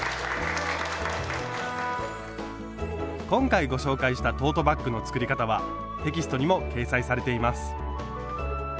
今回ご紹介したトートバッグの作り方はテキストにも掲載されています。